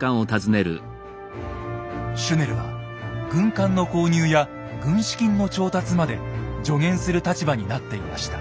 シュネルは軍艦の購入や軍資金の調達まで助言する立場になっていました。